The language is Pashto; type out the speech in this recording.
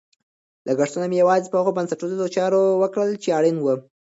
لګښتونه مې یوازې په هغو بنسټیزو چارو وکړل چې اړین وو.